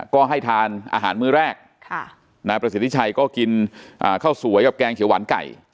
ก็ให้ทานอาหารมื้อแรกนายประสิทธิชัยก็กินข้าวสวยกับแกงเขียวหวานไก่